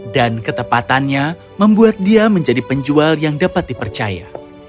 dan ketepatannya membuat dia menjadi penjual yang dapat dipercaya